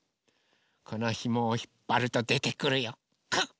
このひもをひっぱるとでてくるよ。